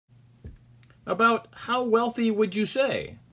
About how wealthy would you say?